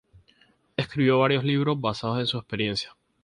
Escribió varios libros basados en sus experiencias.